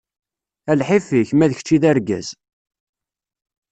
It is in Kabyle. A lḥif-ik, ma d kečč i d argaz!